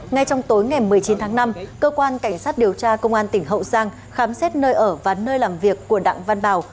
ngay trong tối ngày một mươi chín tháng năm cơ quan cảnh sát điều tra công an tỉnh hậu giang khám xét nơi ở và nơi làm việc của đặng văn bảo